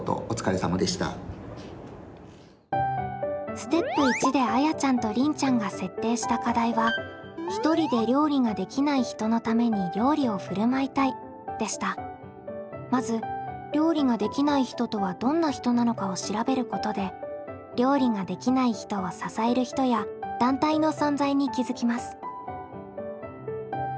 ステップ１であやちゃんとりんちゃんが設定した課題はまず料理ができない人とはどんな人なのかを調べることで料理ができない人を支える人や団体の存在に気付きます。